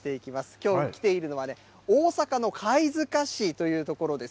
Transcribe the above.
きょう来ているのはね、大阪の貝塚市という所です。